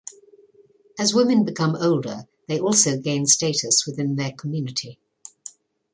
As women become older they also gain status within their community.